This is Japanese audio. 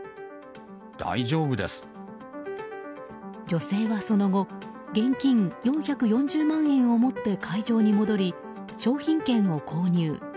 女性は、その後現金４４０万円を持って会場に戻り、商品券を購入。